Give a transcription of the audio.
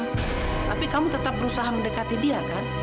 tapi kamu tetap berusaha mendekati dia kan